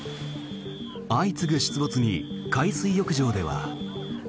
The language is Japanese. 相次ぐ出没に海水浴場では。